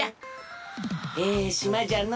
ええしまじゃの。